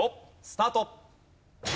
スタート！